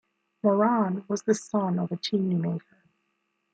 Moran was the son of a chimney maker.